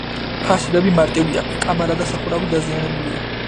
ფასადები მარტივია, კამარა და სახურავი დაზიანებულია.